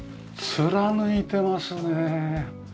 貫いてますね。